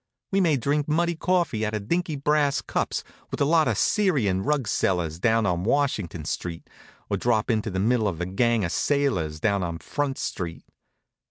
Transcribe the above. We may drink muddy coffee out of dinky brass cups with a lot of Syrian rug sellers down on Washington Street, or drop into the middle of a gang of sailors down on Front Street.